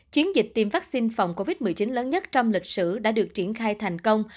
chiến dịch tiêm vaccine phòng covid một mươi chín lớn nhất trong lịch sử đã được triển khai thành công